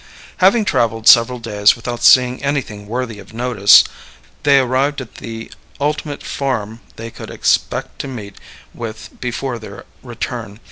Having traveled several days without seeing anything worthy of notice, they arrived at the ultimate farm they could expect to meet with before their return.